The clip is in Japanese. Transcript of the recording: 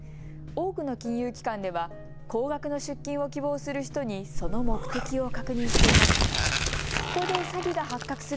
多くの金融機関では高額の出金を希望する人にその目的を確認しています。